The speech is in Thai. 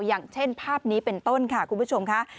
อย่างเช่นภาพนี้เป็นต้นค่ะคุณผู้ชมค่ะ